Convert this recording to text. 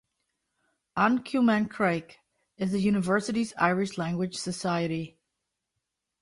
"An Cumann Craic" is the university's Irish language society.